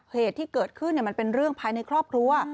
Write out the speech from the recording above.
เหตุที่เกิดขึ้นมันเป็นเรื่องภายในครอบครัว